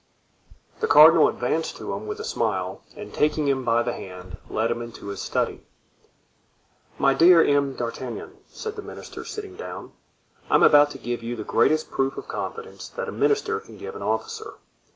The cardinal advanced to him with a smile and taking him by the hand led him into his study. "My dear M. d'Artagnan," said the minister, sitting down, "I am about to give you the greatest proof of confidence that a minister can give an officer."